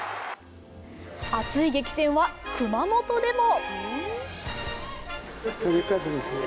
熱い激戦は熊本でも。